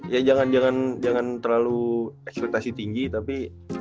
ya jangan terlalu eksploitasi tinggi tapi